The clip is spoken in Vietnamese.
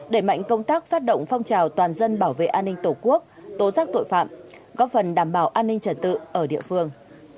đẩy mạnh công tác phát động phong trào toàn dân bảo vệ an ninh tổ quốc tố giác tội phạm góp phần đảm bảo an ninh trật tự ở địa phương